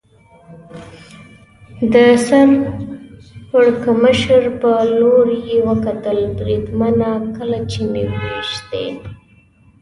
د سر پړکمشر په لور یې وکتل، بریدمنه، کله چې مې وېشتی.